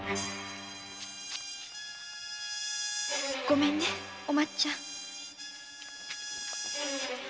ごめんねお松ちゃん。